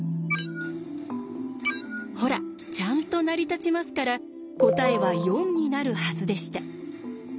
ほらちゃんと成り立ちますから答えは４になるはずでした。